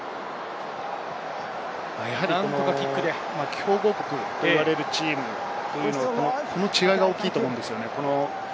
強豪国と言われるチームは、この違いが大きいと思うんです。